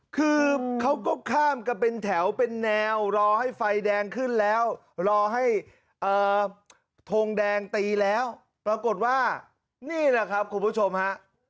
คือเขาก็ข้ามกันเป็นแถวเป็นแนวรอให้ไฟแดงขึ้นแล้วรอให้ทงแดงตีแล้วปรากฏว่านี่แหละครับคุณผู้ชมฮะ